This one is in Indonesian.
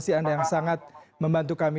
terima kasih anda yang sangat membantu kami